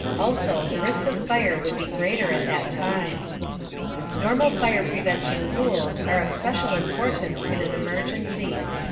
Also, the risk of fire would be greater at that time. Normal fire prevention rules are of special importance in an emergency.